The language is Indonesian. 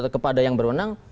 kepada yang berwenang